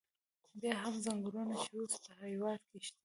بیا هم څنګلونه چې اوس په هېواد کې شته.